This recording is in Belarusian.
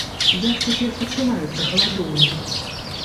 Як цяпер пачуваецца галадоўнік?